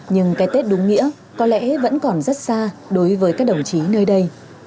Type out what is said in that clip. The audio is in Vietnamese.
nhưng cái tết đúng nghĩa có lẽ vẫn còn rất xa đối với các đồng chí nơi đây